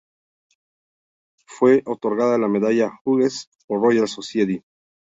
Le fue otorgada la Medalla Hughes por Royal Society.